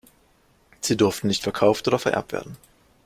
Sie durften nicht verkauft oder vererbt werden.